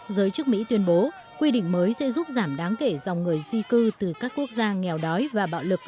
giới chức mỹ tuyên bố quy định mới sẽ giúp giảm đáng kể dòng người di cư từ các quốc gia nghèo đói và bạo lực